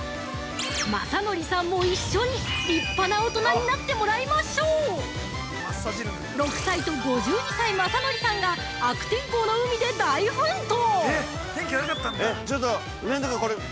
まさひろさんも一緒に立派な大人になってもらいましょう６歳と５２歳、まさのりさんが悪天候の海で大奮闘！